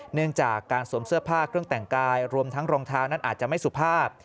เนื่องจากการสวมเสื้อผ้าเครื่องแต่งกายรวมทั้งรองเท้านั้นอาจจะไม่สุภาพ